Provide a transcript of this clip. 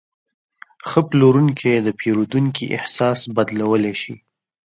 ښه پلورونکی د پیرودونکي احساس بدلولی شي.